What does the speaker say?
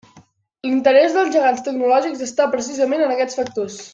L'interès dels gegants tecnològics està precisament en aquests factors.